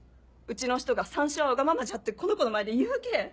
うちの人が「さんしはわがままじゃ」ってこの子の前で言うけぇ